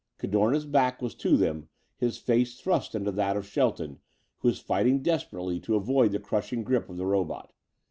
Cadorna's back was to them, his face thrust into that of Shelton, who was fighting desperately to avoid the crushing grip of the robot.